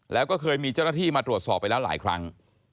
แล้วก็เคยมีเจ้าหน้าที่มาตรวจสอบไปแล้วหลายครั้ง